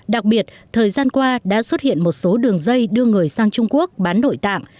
đặc biệt thời gian qua đã xuất hiện một số đường dây đưa người sang trung quốc bán nội tạng